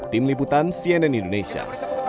tim liputan cnn indonesia